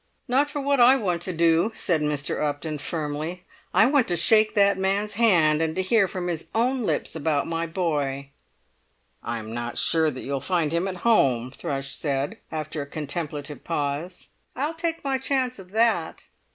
"Not for what I want to do," said Mr. Upton firmly. "I want to shake that man's hand, and to hear from his own lips about my boy!" "I'm not sure that you'll find him at home," Thrush said, after a contemplative pause. "I'll take my chance of that."